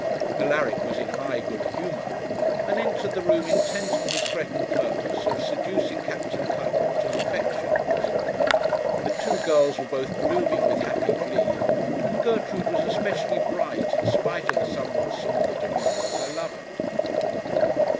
Alaric was in high good humour, and entered the room intent on his threatened purpose of seducing Captain Cuttwater's affections. The two girls were both blooming with happy glee, and Gertrude was especially bright in spite of the somewhat sombre demeanour of her lover.